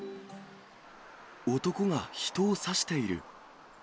男が人を刺している。